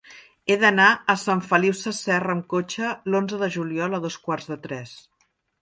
He d'anar a Sant Feliu Sasserra amb cotxe l'onze de juliol a dos quarts de tres.